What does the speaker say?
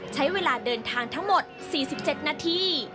ใช้เวลาเดินทางทั้งหมด๔๗นาที